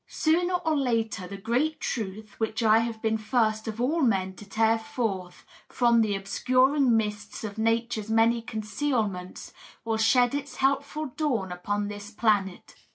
Sooner or later the great truth which I have been first of all men to tear forth from the obscuring mists of nature's many concealments will shed its helpful dawn upon this planet.